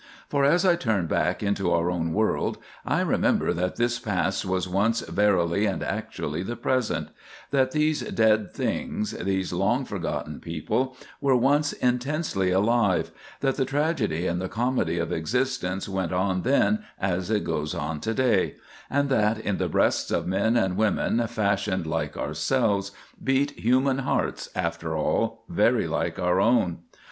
For, as I turn back into our own world, I remember that this past was once verily and actually the present; that these dead things, these long forgotten people, were once intensely alive; that the tragedy and the comedy of existence went on then as it goes on to day; and that in the breasts of men and women fashioned like ourselves beat human hearts, after all, very like our own.